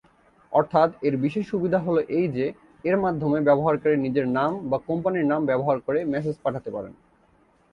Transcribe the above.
অর্থাৎ এর বিশেষ সুবিধা হল এই যে, এর মাধ্যমে ব্যবহারকারী নিজের নাম বা কোম্পানীর নাম ব্যবহার করে মেসেজ পাঠাতে পারেন।